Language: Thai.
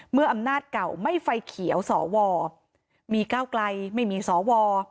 เมื่ออำนาจเก่าไม่ไฟเขียวส่อวอมีก้าวกล่ายไม่มีส่อวอ